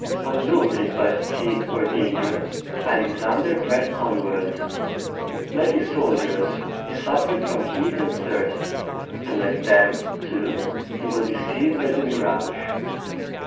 Undaunted by fatigue or danger, Alexander pressed onward. Like his soldiers, he suffered from heat and thirst; and like them, too, he was deceived by the mirage.